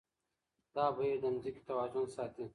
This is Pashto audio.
دا بهير د ځمکې توازن ساتي.